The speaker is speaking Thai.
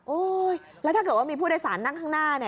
โอ๊ยแล้วถ้าเกิดว่ามีผู้โดยสารนั่งข้างหน้า